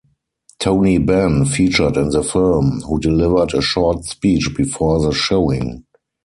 Tony Benn, featured in the film, who delivered a short speech before the showing.